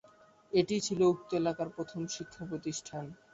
এটিই ছিল উক্ত এলাকার প্রথম শিক্ষাপ্রতিষ্ঠান।